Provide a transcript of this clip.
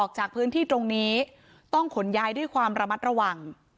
จากพื้นที่ตรงนี้ต้องขนย้ายด้วยความระมัดระวัง